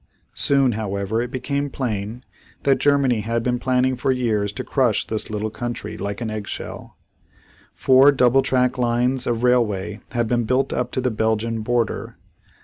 Soon, however, it became plain that Germany had been planning for years to crush this little country like an egg shell. Four double track lines of railway had been built up to the Belgian border.